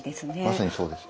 まさにそうですね。